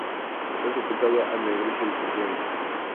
Fue sepultado en la iglesia de Santiago.